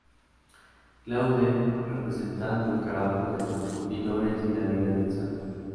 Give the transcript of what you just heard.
Claude representando el trabajo de los curtidores y la vida del santo.